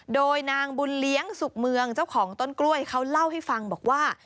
โดยนางบุญเลี้ยงสุขเมืองเจ้าของต้นกล้วยเขาเล่าให้ฟังบอกว่า